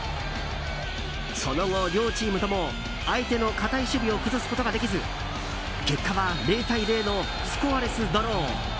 その後、両チームとも相手の堅い守備を崩すことができず結果は０対０のスコアレスドロー。